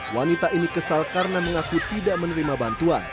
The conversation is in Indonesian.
wanita ini kesal karena mengaku tidak menerima bantuan